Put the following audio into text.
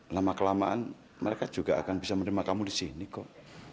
lama kelamaan mereka juga akan bisa menerima kamu di sini kok